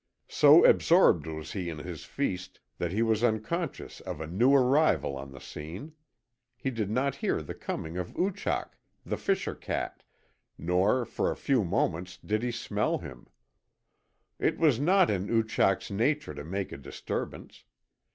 So absorbed was he in his feast that he was unconscious of a new arrival on the scene. He did not hear the coming of Oochak, the fisher cat; nor, for a few moments, did he smell him. It was not in Oochak's nature to make a disturbance.